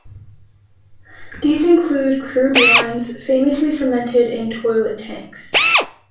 These include crude wines, famously fermented in toilet tanks.